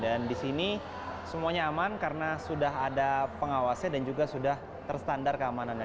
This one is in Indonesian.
dan di sini semuanya aman karena sudah ada pengawasnya dan juga sudah terstandar keamanannya